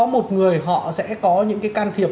một người họ sẽ có những cái can thiệp